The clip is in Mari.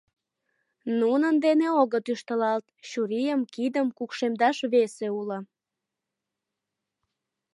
Нунын дене огыт ӱштылалт, чурийым, кидым кукшемдаш весе уло.